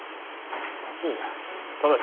あっ待つんだ。